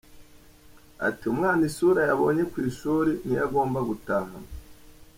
Ati “Umwana isura yabonye ku ishuri niyo agomba gutahana.